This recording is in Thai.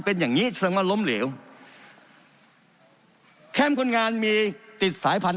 เป็นอย่างงี้สร้างงานล้มเหลวแคมคนงานมีติดสายพัน